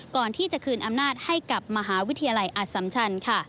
ก่อนที่จะคืนอำนาจให้กับมหาวิทยาลัยอสัมชันค่ะ